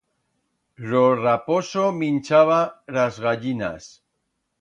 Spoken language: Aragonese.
Ro raposo minchaba ras gallinas.